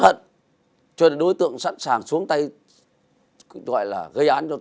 vậy thì tôi sẽ hành động